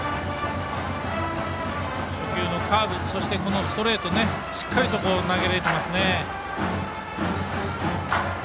初球のカーブそしてストレートとしっかりと投げられていますね。